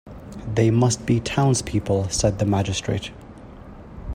‘They must be townspeople,’ said the magistrate.